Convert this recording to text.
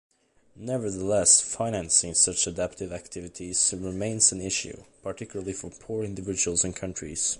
Nevertheless, financing such adaptive activities remains an issue, particularly for poor individuals and countries.